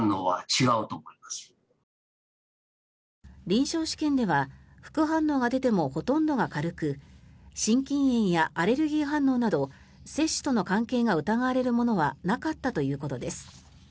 臨床試験では副反応が出てもほとんどが軽く心筋炎やアレルギー反応など接種との関係が疑われるものはなかったということです。